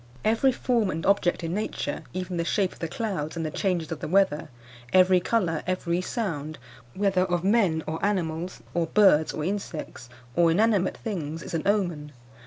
Every form and object in nature, even the shape of the clouds and the changes of the weather; every colour, every sound, whether of men or animals, or birds or insects, or inanimate things, is an omen.